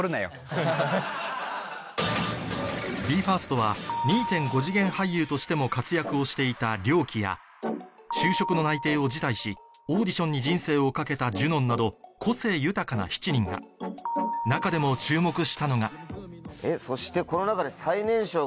ＢＥ：ＦＩＲＳＴは２．５次元俳優としても活躍をしていたＲＹＯＫＩや就職の内定を辞退しオーディションに人生を懸けたＪＵＮＯＮなど個性豊かな７人が中でも注目したのがそしてこの中で。